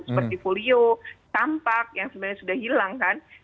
seperti polio campak yang sebenarnya sudah hilang kan